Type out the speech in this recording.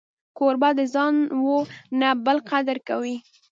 کوربه د ځان و نه بل قدر کوي.